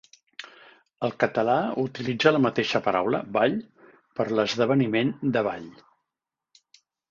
El català utilitza la mateixa paraula, "ball", per a l'esdeveniment de ball.